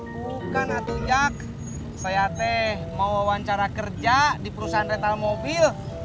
bukan atujak saya teh mau wawancara kerja di perusahaan retail mobil